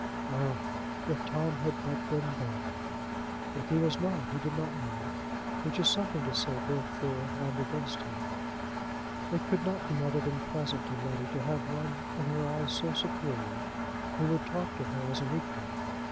Ah! if Tom had but been that! If he was not, he did not know it, which is something to say both for and against him. It could not be other than pleasant to Letty to have one, in her eyes so superior, who would talk to her as an equal.